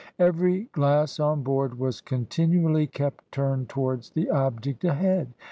Every glass on board was continually kept turned towards the object ahead.